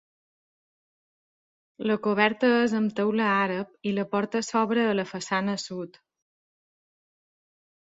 La coberta és amb teula àrab i la porta s'obre a la façana sud.